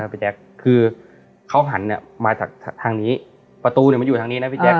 พี่แจ๊คคือเขาหันมาจากทางนี้ประตูเนี่ยมันอยู่ทางนี้นะพี่แจ๊